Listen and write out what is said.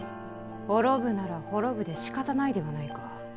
滅ぶなら滅ぶでしかたないではないか。